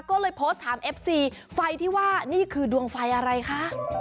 ก็เลยโพสต์ถามเอฟซีไฟที่ว่านี่คือดวงไฟอะไรคะ